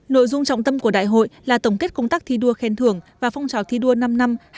nội dung trọng tâm của đại hội là tổng kết công tác thi đua khen thưởng và phong trào thi đua năm năm hai nghìn một mươi hai nghìn hai